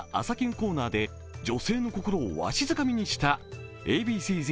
コーナーで女性の心をわしづかみにしたＡ．Ｂ．Ｃ−Ｚ